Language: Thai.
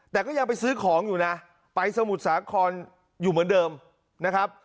แต่ก็ยังไปซื้อของอยู่นะไปสมุทรสาครอยู่เหมือนเดิมนะครับ